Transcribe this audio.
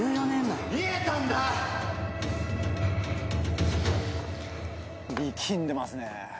力んでますね。